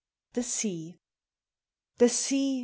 THE SEA. The sea